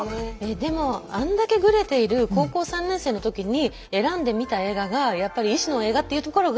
でもあんだけグレている高校３年生の時に選んで見た映画がやっぱり医師の映画っていうところが。